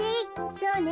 そうね。